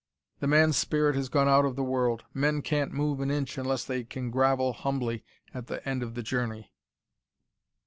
"The man's spirit has gone out of the world. Men can't move an inch unless they can grovel humbly at the end of the journey."